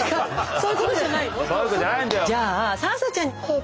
そういうことじゃないんだよ。